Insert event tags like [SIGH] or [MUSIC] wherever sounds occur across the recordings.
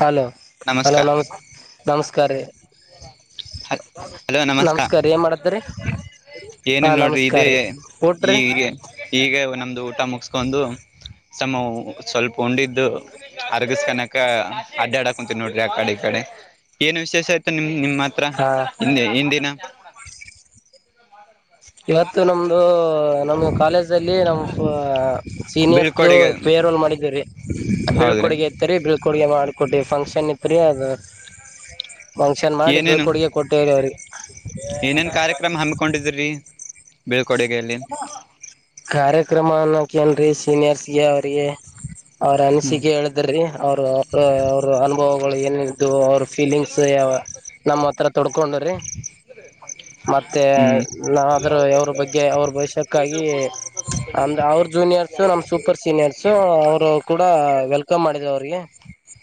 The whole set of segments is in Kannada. ಹಲೋ ನಮಸ್ಕಾರ ಹಲೋಮ ನಮಸ್ಕಾರ ನಮಸ್ಕಾರ ಏನ್ ಮಾಡತರಿ ಏನೇನ್ ನೋಡ್ರಿ ಇದೇ ಈಗ ಈಗ ನಮ್ದು ಊಟ ಮುಗಸ್ಕೊಂಡು ಸಮ ಸ್ವಲ್ಪ ಉಂಡಿದ್ದು ಅರ್ಗಸ್ ಕನಕ ಅಡ್ಡಾಡಕ್ ಕು ನೋಡ್ರಿ ಆ ಕಡೆ ಈ ಕಡೆ ಏನ್ ವಿಶೇಷ ಆಯ್ತು ನಿಮ್ ನಿಮಮ್ಮ ಹತ್ರ ಹಾ ಇ ದಿನ ಕೂಡ ಇವತ್ತು ನಮ್ದು ನಮ ಕಾಲೇಜ್ ಅಲ್ಲಿ ನಮ್ಮ್ ಬೀಳ್ಕೊಡುಗೆ ಸೀನಿಯರ್ಸ್ಪಿ ರೋಲ್ ಮಾಡಿದೀ ರ ಬೀಳ್ಕ ಹೌದ್ರಿ ಕೊಡುಗೆ ಇತ್ತರಿ ಬಳ್ ಕೊಡುಗೆ ಮಾಡ್ಕೊಟಿ ಫಂಕ್ಷನ್ ಇತ್ರಿ ಅದು ಫಂಕ್ಷನ್ ಮಾಡಿ ಏನೇನು ಬೆಳ್ಕುಡುಗೆ ಕೊಟ್ಟೇವ್ರ ಅವ್ರಿಗೆ ಏನೇನ್ ಕಾರ್ಯಕ್ರಮ ಹಮ್ಮಿಕೊಂಡಿದ್ರರಿ ಕಾರ್ಯಕ್ರಮ ಅನ್ನ ಕನ್ ಸೀನಿಯರ್ಸ್ಗೆ ಅವ್ರಿಗೆ ಅವ್ರ ಹ್ಮ್ ಅನಿಸಿಕೆ ಹೇಳಿದ್ರೀ ಅವರು ಅವ ಅವ್ರ ಅನುಭವಗಳು ಏನು ಅವರು ಫೀಲಿಂಗ್ಸ್ ಯಾವ ನಮ್ಮ ಹತ್ರ ತೊಡ್ಕೊಂಡವ್ರಿ ಮತ್ತೆ ಹ್ಮ್ ನಾವಾದ್ರೂ ಅವವ್ರ ಬಗ್ಗೆ ಅವ್ರ ಭವಿಷ್ಯ ಚಕ್ಕಾಗಿ ಅಮ ಅವ್ರ ಜೂನಿಯರ್ಸು ನಮ ಸೂಪರ್ ಸೀನಿಯರ್ಸು ಅವರು ಕೂಡ ವಲ್ಕಮ್ ಮಾಡಿದ ಅವ್ರಿಗೆ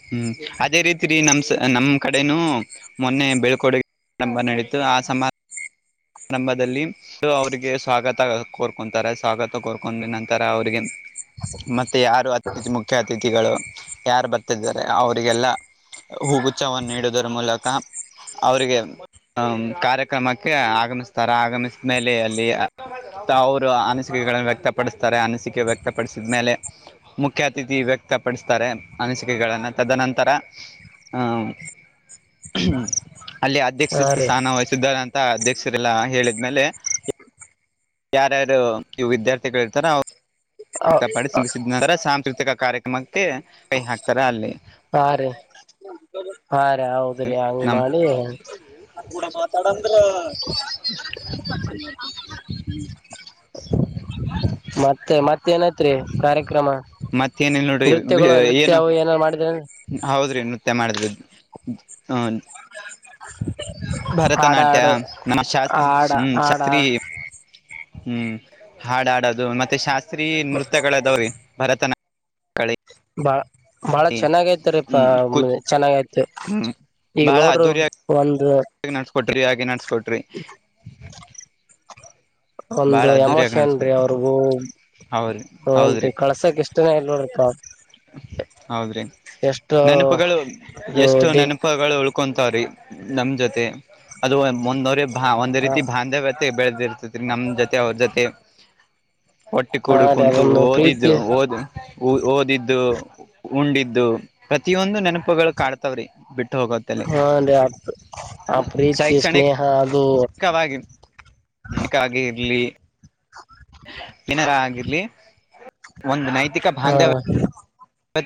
ಹ್ಮ್ ಅದೇ ರೀತಿ ರ ನಮ ನಮ್ಮ್ ಕಡೆನೂ ಮೊನ್ನೆ ಬೆಳ್ಕೋಡುಗೆ ಆಾರಂಭ ನಡೀತು ಆ ಸಮಾರಂಭ ಆರಂಭದಲ್ಲಿ ಅವರಿಗೆ ಸ್ವಾಗತ ಕೋರ್ಕೊಂತಾರೆ ಸ್ವಾಗತ ಕೋರ್ಕೊಂಡ ನಂತರ ಅವರಿಗೆ ಮತ್ತೆ ಯಾರು ಅತಿಥಿ ಮುಖ್ಯ ಅತಿಥಿಗಳು ಯಾರು ಬರ್ತಿದ್ದಾರೆ ಅವ್ರಿಗೆಲ್ಲ ಹೂಗುಛವನ್ನು ಇಡುವುದರ ಮೂಲಕ ಅವರಿಗೆ ಕಾರ್ಯಕ್ರಮಕ್ಕೆ ಆಗಮಿಸ್ತಾರ ಆಗಮಿಸ ಮೇಲೆ ಅಲ್ಲಿ ಅವರು ಅನಿಸಿಕೆಗಳನ್ನು ವ್ಯಕ್ತಪಡಿಸ್ತಾರೆ ಅನಿಸಿಕೆ ವ್ಯಕ್ತಪಡಿಸಿದ ಮೇಲೆ ಮುಖ್ಯ ಅತಿಥಿ ವ್ಯಕ್ ವತಪಡಿಸ್ತಾರೆ ಅನಿಸಿಕೆಗಳಗಳನ್ನು ತದನಂತರ ಆ ಹ್ಮ ಅಲ್ಲಿ ಅಧ್ಯಕ್ಷ ಹಾ ರೀ ಸ್ಥಾನ ವಹಿಸಿದ್ದಾರೆ ಅಂತ ಅಧ್ಯಕ್ಷ ಲ್ಲ ಹೇಳಿದ್ಮೇಲೆ ಯಾರ್ಯಾರು ಇ ವಿದ್ಯಾರ್ಥಿಗಳು ಇರ್ತಾರ ವಕ್ತಪಡಿಸಿಸಿದ ನಂತರ ಸಾಂಸ್ಕೃತಿಕ ಕಾರ್ಯಕ್ರಮಕ್ಕೆ ಕೈ ಹಾಕ್ತಾರ ಅಲ್ಲಿ ಹಾ ರೀ ಹಾ ರೀ ಹೌದ್ರಿ ಹಂಗ ನಮ್ ಮಾಡಿ ನದು ಕೂಡ ಮಾತಾಡಂದ್ರ ಮತ್ತೆ ಮತ್ತೆ ನತ್ಯ ಏನತ್ರಿ ಕಾರ್ಯಕ್ರಮ ಮತ್ತೇನಿಲ್ಲ ನೋಡ್ರಿ ನೃತ್ಯಗಳು ಏನು ನೃತ್ಯ ಅವು ಏನಾದ್ ಮಾಡಿದ ಹೌದ್ರಿ ನೃತ್ಯ ಮಾಡಿದ್ಹ ಹಾಡ ಭರತನಾಟ್ಯ ಹಾಡು ನಮ್ಮ ಶಾಸ್ ಆಡ ಆಡ ಶಾಸ್ತ್ರರಿ ಹ್ಮ್ ಹಾಡಾಡದು ಮತ್ತೆ ಶಾಸ್ತ್ರೀಯ ನೃತ್ಯಗಳದಾವ್ರೀ ಭರತನಾಟ್ಯ ಬಹಳ ಚೆನ್ನಾಗೈತ ರೀಪ ಹ್ಮ್ ಕುಚ್ ಚೆನ್ನಾಗಯ್ತ್ ಹ್ಮ್ ಈಗ ನೋಡರು ಒಂದು ಹ ನಡ್ಸ್ಕೊಟ್ರಿ ಹಾಗೆ ನಡ್ಸ್ಕೊಟ್ರಿ ಬಾಳ ಒಂದು ಅದ್ದೂರಿಯಾಗಿ ಎಮೋಷನ್ ರೀ ನಡ್ಸ್ಕೊಟ್ರಿ ಅವ್ರಿಗೂ ಹೌದ್ರಿ ಹನ್ ಹೌದ್ರಿ ರೀ ಕಳ್ಸಕ್ ಎಷ್ಟನ ಇಲ್ ನೋಡತ ಹೌದ್ರಿ ಎಷ್ಟು ನೆನಪಗಳು ಇದು ಎಷ್ಟು ದಿಗ್ ನೆನಪಗಳು ಉಳ್ಕೊಂತಾವ್ರೀ ನಮ ಜೊತೆ ಅದು ಮುಂದವ್ರ ಹಾ ಒಂದ್ ಹ ರೀತಿ ಬಾಂಧವ್ಯತೆ ಬೆಳದಿ ಇರ್ತತ್ರಿ ನಮ್ ಜೊತೆ ಅವ್ರ ಜೊತೆ ಒಟ್ಟಿ ಹಾ ಕೊೂಡು ರೀ ಕುಂತು ಅದೊಂದು ಓದಿದ್ದು ಪ್ರೀತಿ ಓದ್ ಓದಿದ್ದು ಉಂಡಿದ್ದು ಪ್ರತಿಯೊಂದು ನೆನಪ ಉಪ್ಪಗಳು ಕಾಡ್ತಾವ್ರಿ ಬಿಟ್ಟು ಹೋಗೋತ್ತಲ್ಲಿ ಹಾ ರೀ ಆ ಪ್ರೀತಿ ಶೈಕ್ಷಣಿಕ ಸ್ನೇಹ ಅದು ಾಗಿ ಬೇಕಾಗಿೆ ಇರ್ಲಿ ಏನರಾಗಿಲಿ ಒಂದು ನೈತಿಕ ಹಾ ಬಾಂಧವ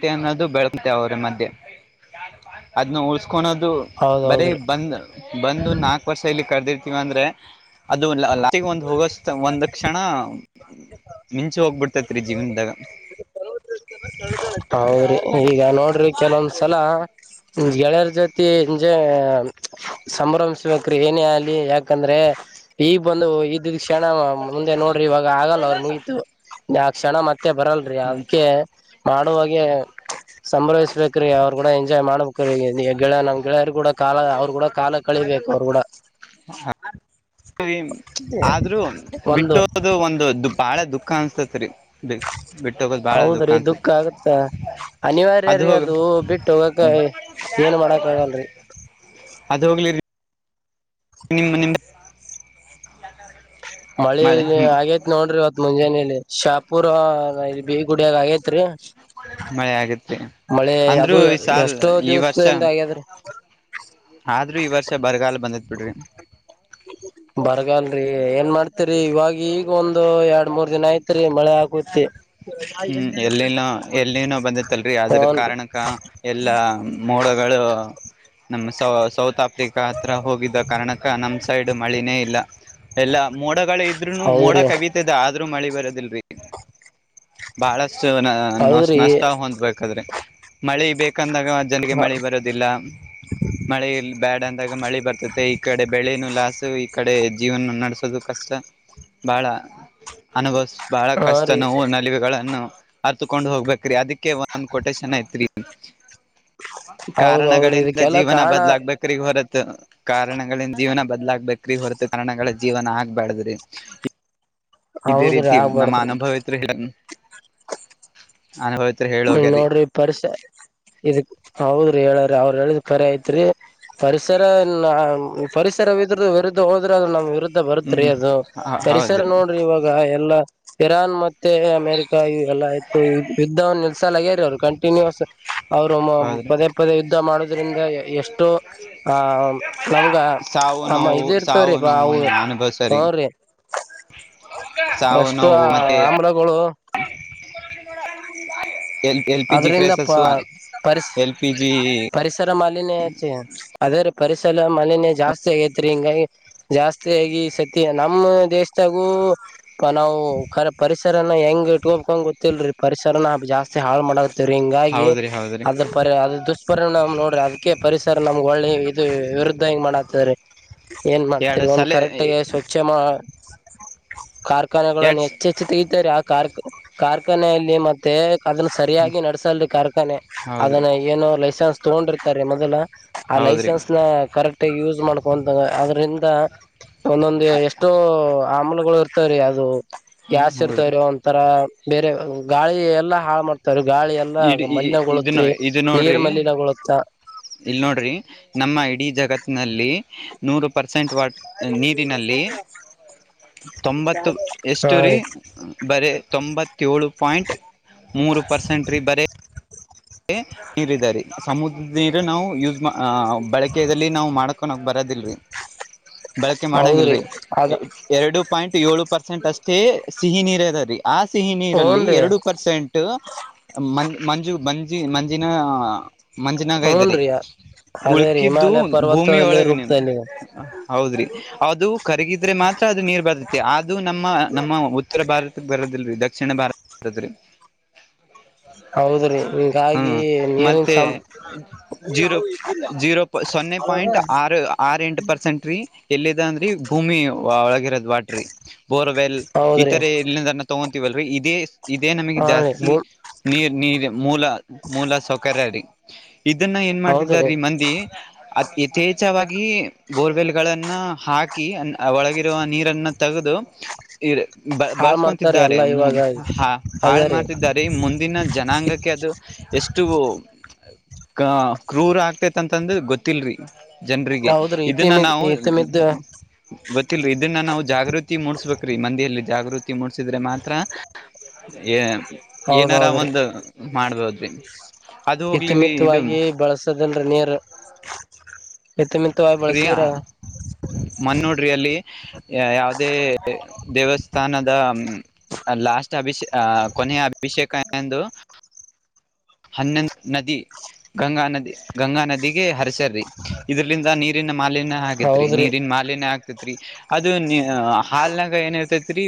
ತಿ ಅನ್ನೋದು ಬೆಳಕುತ್ತೆ ಅವರ ಮಧ್ಯೆ ಅದನ್ನು ಉ ಕಕಳೋದು ಬರೀ ಹೌದೌದ್ರಿ ಬಂದ ಬಂದು ನಾಲ್ಕು ವರ್ಷ ಇಲ್ಲಿ ಕರೆದಿರ್ತೀವ ಅಂದ್ರೆ ಅದು ಲಾ ಒಂದ್ ಹೋಗ ಒಂದ ಕ್ಣ ಮಿಂಚು ಹೋಗ್ಬಿಡ್ತೈತ್ರಿ ಜೀವನದಾಗ ಹೌ್ರಿ ಈಗ ನೋಡ್ರಿ ಕೆಲವೊಂದ್ಸಲ ್ ಗೆಳೆಯರ ಜೊತಿ ಇಜೆ ಸಂಭ್ರಮಿಸ್ಬೇಕ್ರೀ ಏನೇ ಆಲಿ ಯಾಕಂದ್ರೆ ಈಗಗ್ ಬಂದು ಈ ಕ್ಷಣ ಮುಂದೆ ನೋಡ್ರಿ ಇವಾಗ ಆಗಲ್ಲ ಅವ್ರು ಮುಗತು ಆ ಕ್ಣ ಮತ್ತೆ ಮತ್ತೆ ಬರಲ್ರಿ ಹ್ಮ್ ಅದ್ಕ್ಕೆ ಮಾಡುವಾಗ ಸಂಭ್ರವಿಸ್ಬೇಕ್ರೀ ಅವ್ರು ಕೂಡ ಎಂಜಾಯ್ ಮಾಡ್ಬೇಕ್ರೀ ಗೆಳ ನಮ್ ಗೆಳೆಯರು ಕೂಡ ಕಾಲ ಅವ್ರು ಕೂಡ ಕಾಲ ಕಳಿಬೇಕು ಅವರು ಕೂಡ ರಿ ಆದ್ರೂ ಒಂದು ಬಿಟ್ಟೋದು ಒಂದು ಬಾಳ ದುಃಖ ಅನ್ಸ್ತೇತ್ರಿ ಬಿ ಬಿಟ್ಟ ಹೋಗೋದು್ ಬಾಳ ಹೌದ್ರಿ ದುಖಾನ್ಸ ದುಃಖ ಆಗತ್ತ ಅನಿವಾರ್ಯ ರೀ ಅದು ಬಿಟ್ಟು ಹೋಗಕ ಏನು ಮಾಡಕ ಆಗಲ್ರರಿ ಅದ ಹೋಗ್ಲಿ ನಿಮ್ಮ ನಿಮ ಮಳೇ ಆಗೇತ್ ನೋಡ್ರಿ ಅವತ್ ಮುಂಜಾನೇೆಯಲ್ಲಿ ಶಾಪುರ ಬ ಗುಡಿಯಾಗ ಆೈತ್ರಿ ಮಳೆ ಆಗತ್ರಿ ಮಳೆ ಅಂದ್ರು ಅದು ಈ ಸಾಲ್ ಎಷ್ಟೋ ಈ ವರ್ಷ ದಿವಸದಿಂದ ಹಾಗ್ಯಾದ್ರೆ ಆದ್ರೂ ಈ ವರ್ಷ ಬರಗಾಲ ಬಂದತ್ ಬಿಡ್ರಿ ಬರ್ಗಲ್ರರಿ ಏನ್ ಮಾಡ್ ತ್ರಿ ಇವವಾಗಿ ಈಗ ಒಂದು ಎರಡ್ ಮೂರ್ ದಿನ ಐತ್ರಿ ಮಳೆ ಆಾಕತಿ ಹ್ಮ್ ಎಲ್ಲಿನೂ ಎಲ್ಲಿನೂ ಬಂದಿತ್ತಲ್ರಿ ಅದ್ರ ಹನ್ ಕಾರಣಕ್ಕ ಎಲ್ಲಾ ಮೋಡಗಳು ನಮ್ ಸೌ ಸೌತ್ ಆಫ್ರಿಕಾ ಹತ್ರ ಹೋಗಿದ್ದ ಕಾರಣಕ್ಕ ನಮ್ ಸೈಡ್ ಮಳಿನೇ ಇಲ್ಲ ಎಲ್ಲಾ ಮೂ ಮೋಡಗಳ ಇದ್ರುನು ಮೋಡ ಹೌದ್ರಿ ಕವಿತದೆ ಆದ್ರೂ ಮಳಿ ಬರೋದಿಲ್ರಿ ಬಹಳ ನ ಹೌದ್ರಿ ನಷ್ಟ ಹೊಂದ್ಬೇಕಾದ್ರೆ ಮಳೆ ಬೇಕ ಕಂದಾಗ ಅ್ ಜನಿಗೆ ಮಳಿ ಬರೋದಿಲ್ಲ ಮಳೆ ಬ್ಯಾಡ ಅಂದಾಗ ಮಳಿ ಬರ್ತ ಈ ಕಡೆ ಬೆಳೆನುೂಲ ಈ ಕಡೆ ಜೀವನ ನಡೆಸೋುದು ಕಷ್ಟ ಬಹಳ ಅನುಭವ ಬಹಳ ಹಾ ಕಷ್ಟ ರೀ ನೋವು ಗಳನ್ನು ಅರ್ತಕೊಂಡು ಹೋಗ್ಬೇಕ್ರಿ ಅದಕ್ಕೆ ಒಂದ್ ಕ ಕೊಟೇಶನ್ ಐತ್ರಿ ಹೌದ್ ಹೌದ್ರಿ ಕಾರಣಗಳಿಂದ ಇದಕ್ಕೆಲ್ಲಾ ಜೀವನ ಕಾರಣ ಬದಲಾಗ್ಬೇಕ್ರಗ ಹೊರತ್ ಕಾರಣಗಳನ್ ಜೀವನ ಬದ್ಲಾಗಬೇಕ್ರಿ ಹೊರತು ಕಾರಣಗಳ ಜೀವನ ಆಗ್ಬ್ಯಾಡ್ದ್ರಿ ಇದೇ ಹೌದ್ರಿ ರೀತಿಯು ನಮ್ಮ ಆಗ್ಬಾರ್ದ್ರಿ ಅನುಭವತ್ರು ಹೇಳ ಹ್ಮ ಹೇಳೋಗ್ಯಾರಿ ನೋಡ್ರಿ ಪರಿ ಇದಕ್ ಹೌದ್ರಿ ಹೇಳ್ರ ಅವ್ರ ಹೇಳದ ಪರಿ ಐತ್ರಿ ಪರಿಸರ ಪರಿಸರವಿದ್ರ ವರದದು ಹೋದ್ರೆ ಅ್ರ ನಮ್ ಇರು ಹ್ಮ್ ಬರುತ್ರಿ ಅದು ಹ್ಮ್ ಪರಿಸರ ಹೌದ್ರಿ ನೋಡ್ರಿ ಇವಾಗ ಎಲ್ಲಾ ಿರಾನ್ ಮ ಮ ಅಮೆರಿಕಾ ಇ ಎಲ್ಲ ಆಯ್ು ಯುದ್ಧ ೇರಿ ಅವರು ಕಂಟಿನ್ಯಸ್ ಅವರು ಹೌದ್ರಿ ಪದೇ ಪದೇ ಯುದ್ಧ ಮಾಡೋುದದ್ರಿಂದ ಎಷ್ಟೋ ಆ ನಮ್ಗ ಸಾವು ಅಮ್ಮ ನೋವು ಇದ ಸಾವು ಇರ್ತವ್ರಿ ಬ ನೋವು ಅವು ಅನುಭವ್ಸರಿ ಹನ್್ರೀ ಸಾವು ಎಷ್ಟು ನೋವು ಮತ್ತೆ ಆಮ್ಲಗಳು ಎಲ್ ಎಲ್ ಪಿ ಜಿ ಆದ್ರಿಂದ ಪ ಕ್ರೈಸಸ್ ಪ ಎಲ್ ಪಿ ಜಿ ಪರಿಸರ ಮಾಲಿನ್ಯ ಅದೇ ಪರಿಸರ ಮನೆನೆೇ ಜಾಸ್ತಿ ಆಗೈತ್ರಿ ಹಿಂಗ ಜಾಸ್ತಿಿಯಾಗಿ ಸತಿ ನಮ್ಮ ದೇಶದಾಗೂ ನಾವು ಕ ಪರಿಸ್ ಪರ ಹೆಂಗ್ ೂಬ್ಕೊಂಡ್ ಗೊತ್ತಿಲ್ರಿ ಪರಿಸರನ ಜಾಸ್ತಿ ಹಾಳ ಮಾಡ ಹಿಂಗಾಗಿ ಹೌದ್ರಿ ಹೌದ್ರಿ ಅದ್ರ ಪ ಅ ಪರ ನ್ ನೋಡ್ರಿ ಅದ್ಕ್ಕೆ ಪರಿಸರ ನಮ್ಗೆ ಒಳ್ಳ ಇದು ವಿರುದ್ಧ ಹಂಗ್ ಮಾಡತರಿ ಏನ್ ಮಾಡ್ತರಿ ಎರಡು ಒನ್ ಸಲ ಕರೆಕ್ಟ್ಗ ಸ್ವಚ್ಛ ಮಾ ಕಾರ್ ಕಾರ್ಖಾನೆಗಳನ್ನು ಎರಡ್ ಹೆಚ್ಚೆಚ್ಚು ತೆಗ್ದಾರೆ ಆ ಕಾರ್ ಕಾರ್ಖಾನೆಯಲ್ಲಿ ಮತ್ತೆ ಅದನ್ನ ಹ್ಮ್ ಸರಿಯಾಗಿ ನಡ್ಸಲ್ರಿ ಕಾರ್ಖಾನೆ ಹೌದ್ರಿ ಅದನ್ನ ಏನೋ ಲೈಸೆನ್ಸ್ ತಗೊಂಡಿರ್ತಾರೀ ಮೊದಲ ಆ ಹೌದ್ರಿ ಲೈಸೆನ್ಸ್ ನ ಕರೆಕ್ಟ್ಗ ಯೂಸ್ ಮಾಡ್ಕೊಂತ ಆದ್ರಿಂದ ಒಂದೊಂದು ಎಷ್ಟೋ ಆಮ್ಲಗಳು ಇರ್ತವ್ರೀ ಅದು ಹ್ಮ್ ಗ್ಯಾಸ್ ಹೌದ್ರಿ ಇರ್ತಾವ್ರೀ ಒಂತರ ಬೇರೆ ಗಾಳಿ ಎಲ್ಲಾ ಹಾಳ ಗಾಳಿ ಎಲ್ಲ ಇಡ್ ಇದು ಮಲನಗುಳತ್ರಿ ಇದು ನೀರ್ ನೋಡ್ರಿ ಮಲನಗುಳುತ್ತ ಇಲ್ ನೋಡ್ರಿ ನಮ್ಮ ಇಡೀ ಜಗತ್ ನಲ್ಲಿ ನೂರು ಪರ್ಸೆಂಟ್ ವಾಟ್ ನೀರಿನಲ್ಲಿ ತೊಂಬತ್ತು ಹಾ ಎಷ್ಟು ರರಿ ರೀ ಬರ ತೊಂಬತ್ತೇಳಳು ಪಾಯಿಂಟ್ ಪರ್ಸೆಂಟ್್ರೀ ಬರೀ ನೀರ್ಾರೆ ಸಮುದ್ರ ನೀರು ನಾವು ಯೂಸ್ ಬಳಕೆದಲ್ಲಿ ನಾ್ ಮಾಡ್ಕೊಂಡ ಹೋಗಬರ್ ಎರ ದಿಲಿ ಬಳಕೆ ಹೌದ್ರಿ ಮಾಡಂಗಲ್ರಿ ಅದ ಎರಡು ಪಾಯಿಂಟ್ ಏಳು ಪರ್ಸೆಂಟ್ ಅಷ್ಟೇ ಸಿಹಿ ನೀರ್ ಅದ ರೀ ಆ ಸಿಹಿ ನೀರಲ್ಲಿ ಹೂನ್ರಿ ಎರಡು ಪರ್ಸೆಂಟ್ ಮಂ ಮಂಜು ಮಂಜ ಂಿ ಮಂಜಿನ ಮಂಜಿನಾಗ ಇದರಿ ಹೂನ್ರಿ ಅದೇ ರೀ ಉಳ್ಕಿದ್ದು ಹಿಮಾಲಯ ಭೂಮಿ ಪರ್ವತದಲ್ಲಿ ಒಳಗನೆಮ ರೂಪದಲ್ಲಿ ಹೌದ್ರಿ ಅದು ಕರಗಿದ್ರೆ ಮಾತ್ರ ಅದು ನೀರ್ ಬರ್ೆ ಅದು ನಮ್ಮ ನಮ್ಮ ಉತ್ತರ ಭಾರತ ಬರದಲ್ರಿ ದಕ್ಷಿಣ ಭಾರತ ಬರದ್ರಿ ಹೌದ್ರಿ ಹಗಾಗಿ ಹ್ಮ್ ನೀರಿನ ಮತ್ತೆ ಚ ಜೀರೋ ಜೀರೋ ಸೊನ್ನೆ ಪಾಯಿಂಟ್ ಆರು ಆರ್ ಎಂಟ ಪರ್ಸೆಂಟ್ ರೀ ಎಲ್ಲಿದೆ ಅಂದ್ರೆ ಭೂಮಿ ಒಳಗಿರೋದು ವಾಟ್ರಿ ಬೋರ್ವೆಲ್ ಹೌದ್ರಿ ಇತರ ಇಲ್ಲಿ ತ ವಲ್ ಇದೇ ಇದೇ ನಮಗೆ ಹಾ ರೀ ಜಾಸ್ತಿ ನೀರ್ ನೀರ್ ಮೂಲ ಮೂಲ ಸೌಕರ್ಯ ರೀ ಇದನ್ನ ಏನ್ ಹೌದ್ರಿ ಮಾಡಾ್ತಿದೀ ಮಂದಿ ಯಥೇಛವಾಗಿ ಬೋರ್ವೆಲ್ ನ್ನ ಹಾಕಿ ಒಳಗಿರುವ ನೀರನ್ನು ತೆಗೆದು ಬ ಹಾಳ್ ಮಾಡ್ತಾರ ಬಳಸ್ಕೊತಿದ್ದಾರೆ ಎಲ್ಲಾ ಇವಾಗ ಹ ಅದೇ ಹಾಳು ರೀ ಮಾಡ್ತಿದ್ದಾರೆ ಮುಂದಿನ ಜನಾಂಗಕ್ಕೆ ಅದು ಎಷ್ಟು ಕ್ರೂರ ಆಗ್ತೇತ್ ಅಂತಂದ್ರ ಗೊತ್ತಿಲ್ರಿ ಜನರಿಗೆ ಹೌದ್ರಿ ಇದನ್ನ ಇತಿಮ ನಾವು ಇತಿಮಿದ್ದ ಗೊತ್ತಿಲ್ರಿ ಇದನ್ನ ನಾವು ಜಾಗೃತಿ ಮೂಡ್ಸ್ಬೇಕ್ರೀ ಮಂದಿಯಲ್ಲಿ ಜಾಗೃತಿ ಮೂಡಿಸಿದ್ರೆ ಮಾತ್ರ ಏನಾರ ಹೌದೌದ್ರಿ ಒಂದು ಮಾಡ್ಬಹದು [INAUDIBLE] ಹಿತುಮಿಿತವಾಗಿ ಬಳಸದಲ್ರ ನೀರ್ ಇತಿಮಿತವಾಗಿ ಪ್ರಿಯಾ ಬಳಸಿದ್ರ ಮನ್ನೋಡ್ರಿ ಅಲ್ಲಿ ಯಾವುದೇ ದೇವಸ್ಥಾನದ ಲಾಸ್ಟ್ ಅಭಿಷ ಅ ಕೊನೆಯ ಅಭಿಷೇಕ ಎಂದು ಎಂದು ಹನ್ನೆಂದು ನದಿ ಗಂಗಾ ನದಿ ಗಂಗಾ ನದಿಗೆ ಹರಸರಿ ಇದರಿಂದ ನೀರಿನ ಮಾಲಿನ್ಯ ಆಗತ್ರಿ ಹೌದ್ರಿ ನೀರಿನ್ ಮಾಲಿನ್ಯ ಆಗ್ತ ರಿ ಅದು ಹಾಲ್ನಾಗ ಏನ್ ಇರ್ತೈತ್ರಿ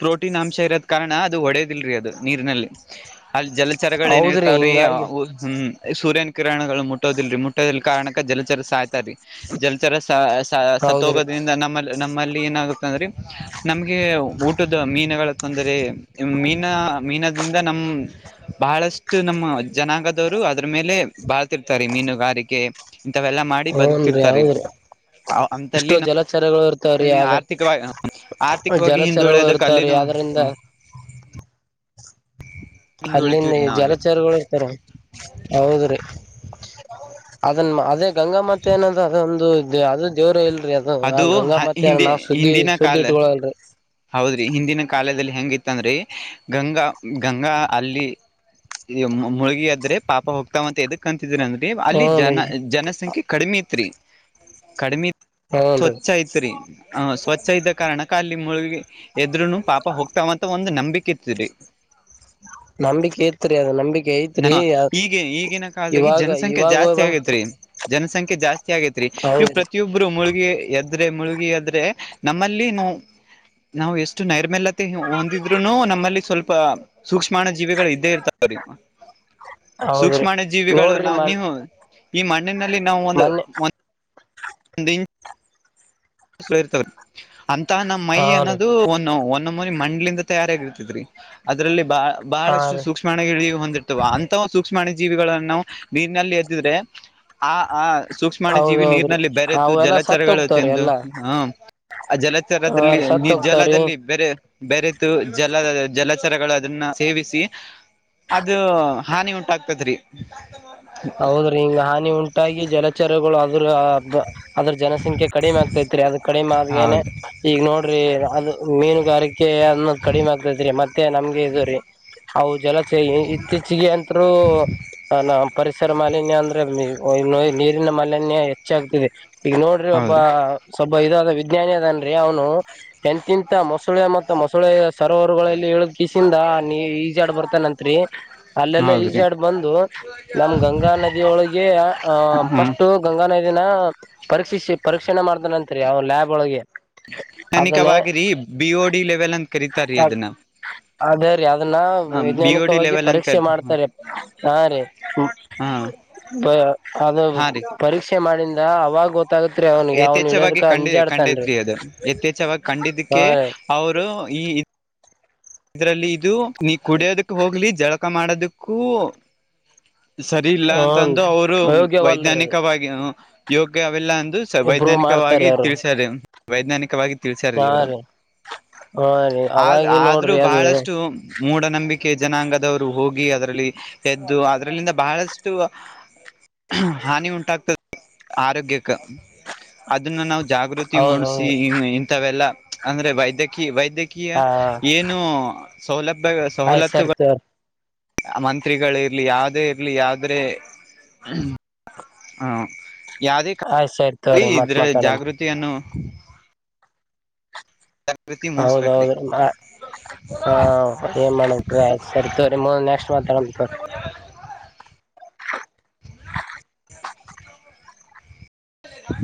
ಪ್ರೋಟೀನ್ ಅಂಶ ಇರೋದ್ ಕಾರಣ ಅದು ಹೊಡೆದಿಲ್ರರಿ ಅದು ನೀರಿನಲ್ಲಿ ಅಲ್ಲಿ ಜಲ ಚರಗಳ ಏನ ಹೌದ್ರಿ ಇರ್ತಾವ್ರೀ ಹಿಂಗಾಗಿ ಹ್ಮ ಸೂರ್ಯನ್ ಕಿರಣಗಳು ಮುಟ್ಟೋದಿಲ್ಲರಿ ಮುಟ್ಟೋ ಕಾರಣ ಜಲಚರ ಸಾಯ್ತ ರೀ ಜಲಚರ ಸತ್ತ ಹೌದ್ರಿ ಹೋಗೋದ್ರಿಂದ ನಮ್ಮಲ್ಲಿ ನಮ್ಮಲ್ಲಿ ಏನುತ್ತೆ ಅಂದ್ರೆ ನಮಗೆ ಊಟದ ಮೀನುಗಳ ತೊಂದರೆ ಮೀನ ಮೀನ ಅಲ್ಲಿಂದ ನಮ್ಮ ಬಹಳಷ್ಟು ನಮ್ಮ ಜನಾಂಗದವ್ರು ಅದ್ರ ಮೇಲೆ ಬಾಳ್ತಿರ್ತಾರಿ ಮೀನುಗಾರಿಕೆ ಇಂಥವೆಲ್ಲಾ ಮಾಡಿ ಹೂನ್ರಿ ಬದುಕ್ತಿರ್ತಾರೆ ಹೌದ್ರಿ ಇಷ್ಟು ಅಂತಲ್ಲಿ ನಾ ಜಲಚರಗಳು ಇರ್ತಾವ್ರಿ ನಮ್ಮೆ ಆದ ಆರ್ಥಿಕವಾಗಿ ಆರ್ಥಿಕವಾಗಿ ಜಲಚರಗಳು ಹಿಂದುಳೆಯದು ಇರ್ತಾವ್ರಿ ಕಲ್ಲಿನ ಆದ್ರಿಂದ ಅಲ್ಲಿಂದ ಹಿಂದುಳಿತೀವ್ರಿ ನಾವ್ ಅಲ್ಲಿ ಜಲಚಾರಗಳು ಇರ್ತಾರ ಹೌದ್ರೀ ಅದನ್ ಅದೇ ಗಂಗಾ ಮತ್ ಏನಂದ್ರ ಅದೊಂದು ಅದು ದೇವರು ಇಲ್ ಅ ಆ ಅದು ಗಂಗಾ ಮತ್ತೆ ಹಿಂದಿ ನಾವ್ ಸುದ್ದಿ ಹಿಂದಿನ ಸುದ್ದಿ ಕಾಲ ಇಟ್ಕೊಳಲ್ರರಿ ಹೌದ್ರಿ ಹಿಂದಿನ ಕಾಲದಲ್ಲಿ ಹೆಂಗಿತ್ತಂದ್ರಿ ಗಂಗಾ ಗಂಗಾ ಅಲ್ಲಿ ಮುಳಗಿ ಆದ್ರೆ ಪಾಪ ಹೋಗ್ತಾವಂತ ಇದದ ಕ ಅಂದ್ರ ಅಲ್ಲಿ ಹ್ನ್ ರೀ ಜನ ಜನಸಂಖ್ಯೆ ಕಡಿಮೆ ತ್ರಿ ಕಡಿಮಿ ಹ್ನ್ ರೀ ಸ್ವಚ್ ಐತ್ರಿ ಹ ಸ್ವಚ್ಛ ಇದ್ದ ಕಾರಣಕ್ಕ ಅಲ್ಲಿ ಮುಳುಗಿ ಎದ್ರುನು ಪಾಪ ಹೋಗ್ತಾವಂತ ಒಂದು ನಂಬಿಕೆ ಇತ್ರಿ ನಂಬಿಕೆ ತ್ರಿ ಅದು ನಂಬಿಕೆ ಐತ್ರಿ ನಮ್ಮ ಈಗ ಈಗಿನ ಕಾಲದಲ್ಲಿ ಇವಾಗ ಜನಸಂಖ್ಯೆ ಇವಾಗ ಹೋಗ್ ಜಾಸ್ತಿ ಬಂದ ಆಗೇತ್ ಜನಸಂಖ್ಯ್ಯಾ ಜಾಸ್ತಿ ಆಗೈತ್ರಿ ಇವು ಹೌದ್ರಿ ಪ್ರತೊಬ್ರು ಮುಳುಗ ಎದ್ರೆ ಮುಳುಗಿ ಎದ್ರೆ ನಮ್ಮಲ್ಲಿ ನಾವು ಎಷ್ಟು ನೈರ್ಮ್ಯಲ ಮ ಹೊಂದಿದ್ರುನು ನಮ್ಮಲ್ಲಿ ಸ್ವಲ್ಪ ಸೂಕ್ಷ್ಮಾಣ ಜೀವಿಗಳು ಇದ್ದೇ ಇರ್ತಾವ್ರೀ ಹೌದ್ರಿ ಸೂಕ್ಷ್ಮಾಣ ಜೀವಿಗಳು ನೋಡ್ರಿ ನಾ ಮನ್ ನೀವು ಈ ಮಣ್ಣಿನಲ್ಲಿ ನಾವು ಒಂದು ಮೊನ್ನೆ ಹಿಂದಿನ ತ ಅಂತ ನಮ್ಮ ಮೈ ಹಾ ರೀ ಅನ್ನೋದು ಒ ನಮ್ಮನಿ ಮಂಡ್ಲಿಂದ ತಯಾರಾಗಿರ್ತಿದ್ರಿ ಅದ್ರಲ್ಲಿ ಬಾಳ ಹಾ ಬಹಳಷ್ಟು ರೀ ಸೂಕ್ಷ್ಮಣಿ ಹೊಂದಿರ್ತವ ಅಂತ ಸೂಕ್ಷ್ಮ ಮಣ ಜೀವಿಗಳನ್ನು ನೀರಿನಲ್ಲಿ ಎದ್ದಿದ್ರೆ ಆ ಆ ಸೂಕ್ಷ್ಮಾಣ ಜೀವಿ ಹೌದೌದ್ರಿ ನೀರಿನಲ್ಲಿ ಬೆರೆತು ಅವೆಲ್ಲಾ ಸತ್ ಹೋಗ್ತಾವ್ರಿ ಜಲಚರಗಳುಂದು ಎಲ್ಲಾ ಹಾ ಹ ಜಲಚರದಲ್ಲಿ ನಿ ಸತ್ ಹೋಗ್ತಾವ್ರಿ ಜಲದಲ್ಲಿ ಬೇರೆ ಬೇರೆದುು ಜಲ ಜಲಚರಗಳು ಅದನ್ನ ಸೇವಿಸಿ ಅದು ಹಾನಿ ಉಂಟಾಗ್ತತ್ರಿ ಹೌದ್ರಿ ಹಿಂಗ ಹಾನಿ ಉಂಟಾಗಿ ಜಲಚರಗಳು ಅದ್ರ ಅದ್ರ ಜನಸಂಖ್ಯೆ ಕಡಿಮೆ ಆಗ್ತೈತ್ರಿ ಅದ ಕಡಿಮೆ ಆದಗೇನೆ ಹೌದ್ರಿ ಈಗ ನೋಡ್ರಿ ಅ ಮೀನುಗಾರಿಕೆ ಅ ಕಡಿಮೆ ಆಗ್ತತ್ರಿ ಮತ್ತೆ ನಮ್ಗೆ ಇ ರೀ ಅವು ಜಲ ಇತ್ತೀಚಿಗೆ ಅಂತರು ನ ಪರಿಸರ ಮಾಲಿನ್ಯ ಅಂದ್ರೆ ನೀರಿನ ಮಾಲಿನ್ಯ ಹೆಚ್ಚಾಗಗ್ತದೆ ಈಗ ನೋಡ್ರಿ ಒಬ್ಬ ಹೌದ್ರಿ ಸ್ವಲ್ಬ ಇದಾದ ವಿಜ್ಞಾನಿ ಅದನ್ರಿ ಅವನು ಟೆಂತ್ ಇಂತ ಮೊ ಮೊಸಳೆ ಮತ್ತ ಮೊಳೆ ಸರೋವರು ಇ ಕಿಸಿಂದ ನೀ ಈಸಿ ಆಡ್ ಬರ್ತಾನಂತ್ರಿ ಅಲ್ಲೆಲ್ಲಿ ಎಲ್ಲ ಈಸಿ ಹೌದ್ರಿ ಆಡ್ ಬಂದು ನಮ್ ಗಂಗಾ ನದಿಯೊಳಗೆ ಅ ಹ್ಮ್ ಫಸ್ಟ್ ಗಂಗಾ ನದಿನ ಪರೀಕ್ಷ ಪರೀಕ್ಷಣೆ ಮಾಡ ನಂತ್ರಿ ಅವ್ನ್ ಲ್ಯಾಬ್ ಒಳಗೆ ಅದನ್ನೇ ತನಿಕವಾಗಿರಿ ಬಿಓಡಿ ಲೆವೆಲ್ ಅಂತ ಕರೀತಾರೀ ಅದನ್ನ ಅದ ರೀ ಅದನ್ನ ಹ ಬಿ ಒ ಡಿ ವೈಜ್ಞಾನಿಕವಾಗಿ ಲೆವೆಲ್ ಅಂತ ಪರೀಕ್ಷೆ ಕರಿತ ಮಾಡ್ತಾರೆ ಹಾ ರೀ ಹಾ ಅದು ಹಾ ರೀ ಪರೀಕ್ಷೆ ಮಾಡಿಂದ ಅವಾಗ ಗೊತ್ತಾಗತ್ರಿ ಅವ್ನಿಗೆ ಅವ್ನ್ ಯಥೇಚ್ಛವಾಗಿ ಇಳ್ಯದಕ ಕಂಡ ಕಂಡೈತ್ ಅಂಜಾಡ್ತನ್ರಿ ಅದು ಯಥೇಛವಾಗಿ ಹಾ ಕಂಡಿದ್ದಕ್ಕೆ ರೀ ಅವರು ಈ ಇದರಲ್ಲಿ ಇದು ನೀ ಕುಡಿಯೋದಕ್ಕೆ ಹೋಗ್ಲಿ ಜಳಕ ಮಾಡೋದಕ್ಕೂ ಸರಿ ಇಲ್ಲ ಹನ್ ಅಂತಂದು ಅವರು ಅಯೋಗ್ಯವಲ್ರಿ ಅದು ವೈಜ್ಞಾನಿಕವಾಗಿ ಯೋಗ್ಯ ಅವಲ್ಲ ಅಂದು ಇಂಪ್ರೂವ್ ವೈಜ್ಞಾನಿಕ ಆ ಮಾಡ್ತಾರ ಅವರು ತಿಳಿಸಾರೆ ವೈಜ್ಞಾನಿಕವಾಗಿ ತಿಳ್ಸಾರ ಹಾ ಇವರು ರೀ ಹಾ ರೀ ಆದ್ ಅವಾಗಿ ಆದ್ರೂ ನೋಡ್ರಿ ಅದು ಬಹಳಷ್ಟು ಮೂಢನಂಬಿಕೆ ಕ ಜನಾಂಗದವ್ರು ಹೋಗಿ ಅದ್ರಲ್ಲಿ ಎದ್ದು ಅದ್ರಲ್ಲಿಂದ ಬಹಳಷ್ಟು ಹಾನಿ ಉಂಟಾಗ್ತದೆ ಆರೋಗ್ಯಕ್ಕೆ ಅದನ್ನ ನಾವು ಜಾಗೃತಿ ಹೌದೌದು ಮೂಡಿಸಿ ಇಂಥವೆಲ್ಲ ಅಂದ್ರೆ ವೈದ್ಯಕೀಯ ವೈದ್ಯಕೀಯ ಹ ಏನ್ ಸೌಲಭ್ಯ ಆಯ್ತ್ ಸರಿ ಸವಲತ್ತುಗಳು ತೋರಿ ಮಂತ್ರಿಗಳ ಇರ್ಲಿ ಯಾವದೇ ಇರ್ಲಿ ಯಾವ್ದ್ರೆ ಹ್ಮ ಯಾರೇ ಆಯ್ತ್ ಸರಿ ತೋರಿ ಮತ್ ಇದ್ರ ಮಾತಾಡಣ ಜಾಗೃತಿಯನ್ನು ಜಾಗೃತಿ ಮೂಡ್ಸ್ಬೇಕ್ರಿ ಹೌದೌದು ಹಾ ಏನ್ ಮಾಡಕ್ ಸರಿ ತವ್ರರಿ ನೆಕ್ಸ್ಟ್ ಮಾತಾಡ ತವ್ರ [INAUDIBLE] ಹ